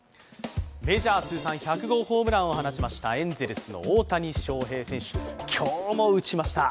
メジャー通算１００号ホームランを打ちましたエンゼルスの大谷翔平選手、今日も打ちました。